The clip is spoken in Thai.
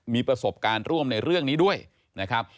มีประสบการณ์ร่วมในเรื่องนี้ด้วยนะครับ